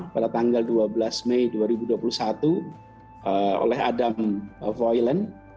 pada tanggal dua belas mei dua ribu dua puluh satu oleh adam voilen